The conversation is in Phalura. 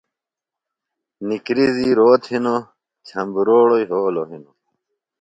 نِکرزیۡ روت ہِنوۡ جھمبروڑوۡ یھولوۡ ہِنوۡ